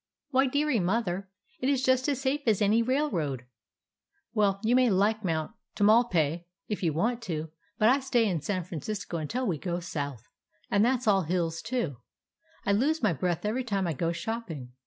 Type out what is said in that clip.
"Why, dearie, Mother, it is just as safe as any railroad." "Well, you may like Mount Tamalpais if you want to, but I stay in San Francisco until we go south. And that 's all hills, too. I lose my breath every time I go shopping.